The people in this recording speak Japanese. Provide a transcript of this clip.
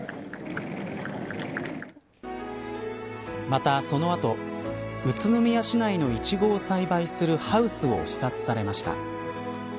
また、その後宇都宮市内のいちごを栽培するハウスを視察されました。